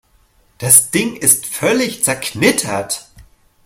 Das Ding ist völlig zerknittert.